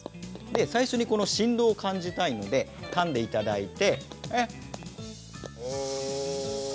最初に振動を感じたいのでかんでいただいて。